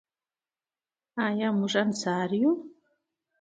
آیا موږ انصار یو؟